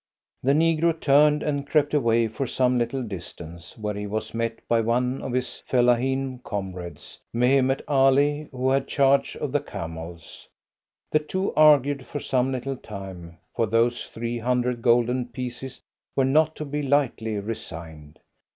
The negro turned and crept away for some little distance, where he was met by one of his fellaheen comrades, Mehemet Ali, who had charge of the camels. The two argued for some little time for those three hundred golden pieces were not to be lightly resigned.